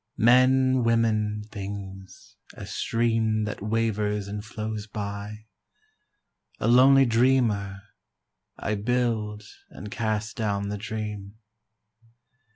Men, women, things, a stream That wavers and flows by, A lonely dreamer, I Build and cast down the dream.